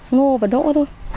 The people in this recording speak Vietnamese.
ngô và đỗ thôi